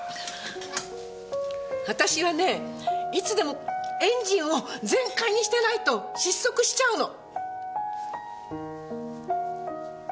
あたしはねぇいつでもエンジンを全開にしてないと失速しちゃうの！